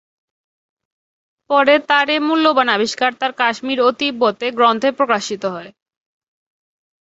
পরে তাঁর এ মূল্যবান আবিষ্কার তাঁর কাশ্মীর ও তিববতে গ্রন্থে প্রকাশিত হয়।